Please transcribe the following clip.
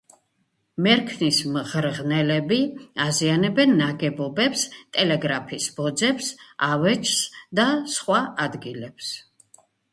მერქნის მღრღნელები აზიანებენ ნაგებობებს, ტელეგრაფის ბოძებს, ავეჯს და სხვა ადგილებს.